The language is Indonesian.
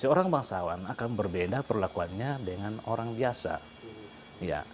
seorang bangsawan akan berbeda perlakuannya dengan orang biasa